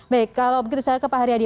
baik kalau begitu saya ke pak haryadi